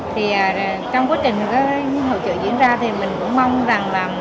trong quá trình hội chợ diễn ra thì mình cũng mong là